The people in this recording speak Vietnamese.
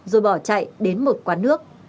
rồi bỏ chạy đến một quán nước